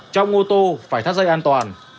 trong ô tô phải thắt dây an toàn